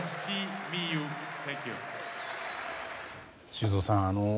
修造さん